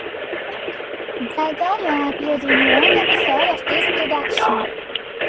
Delgado appeared in one episode of this production.